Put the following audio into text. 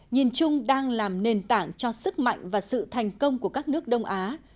nhìn chung đang làm nền tảng cho sức mạnh và sự thành công của các nước đông á